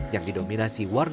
yang didominasi oleh kawurung